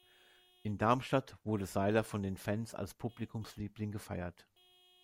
In Darmstadt wurde Sailer von den Fans als Publikumsliebling gefeiert.